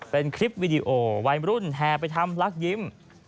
เป็นคลิปวีดีโอวัยมรุ่นแห่ไปทำลักยิ้ม